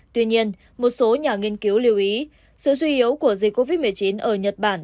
tuy nhiên một số nhà nghiên cứu lưu ý sự duy yếu của dịch covid một mươi chín ở nhật bản